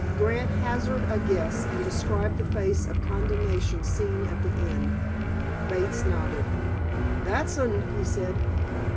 Grant hazarded a guess, and described the face of condemnation seen at the inn. Bates nodded. "That's un," he said.